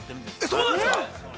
◆そうなんですか。